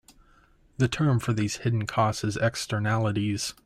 The term for these hidden costs is "Externalities".